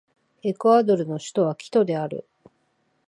エクアドルの首都はキトである